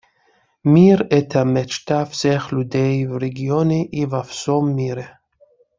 Мир — это мечта всех людей в регионе и во всем мире.